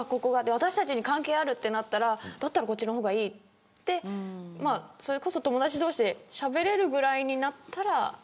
私たちに関係あるってなったらこっちの方がいいってそれこそ友達同士でしゃべれるぐらいになったら。